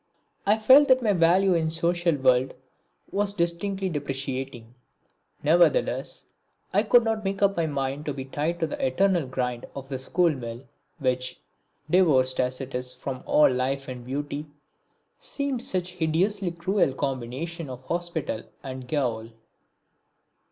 I felt that my value in the social world was distinctly depreciating; nevertheless I could not make up my mind to be tied to the eternal grind of the school mill which, divorced as it was from all life and beauty, seemed such a hideously cruel combination of hospital and gaol.